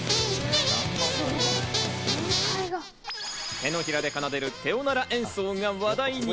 手のひらで奏でる、手おなら演奏が話題に。